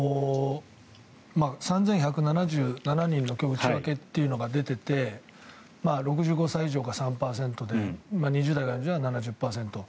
３１７７人の内訳というのが出ていて６５歳以上が３％で２０代が７０％。